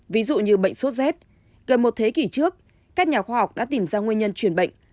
ví dụ như bệnh số z gần một thế kỷ trước các nhà khoa học đã tìm ra nguyên nhân chuyển bệnh